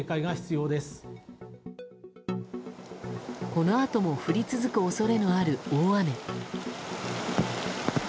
このあとも降り続く恐れのある大雨。